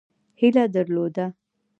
هیله درلوده.